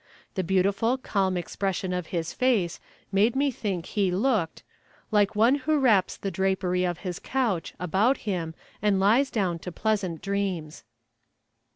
The beautiful, calm expression of his face made me think he looked Like one who wraps the drapery of his couch About him, and lies down to pleasant dreams.